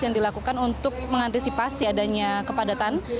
yang dilakukan untuk mengantisipasi adanya kepadatan